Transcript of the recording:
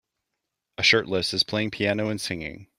A shirtless is playing piano and singing.